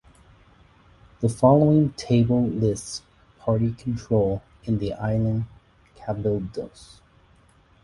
The following table lists party control in the Island Cabildos.